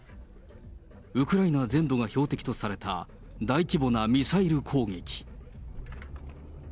ウクライナ全土が標的とされた大規模なミサイル攻撃。